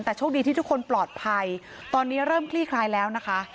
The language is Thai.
แต่โชคดีที่ทุกคนปลอดภัยตอนนี้เริ่มคลี่คลายแล้วนะคะ